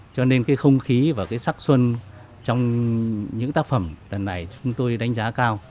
cho nên cái không khí và cái sắc xuân trong những tác phẩm lần này chúng tôi đánh giá cao